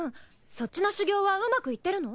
そっちの修行はうまくいってるの？